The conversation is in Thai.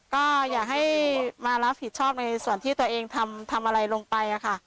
ก็อยากให้มารับผิดชอบในส่วนที่ตัวเองทำอะไรลงไปค่ะ